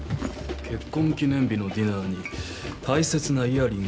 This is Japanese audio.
結婚記念日のディナーに大切なイヤリングをなくした。